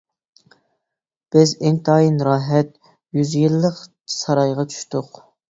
بىز ئىنتايىن راھەت يۈز يىللىق سارايغا چۈشتۇق.